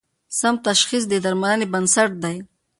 سم تشخیص د درملنې بنسټ دی.